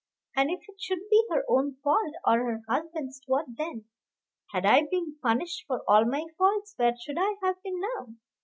And if it should be her own fault, or her husband's what then? Had I been punished for all my faults, where should I have been now?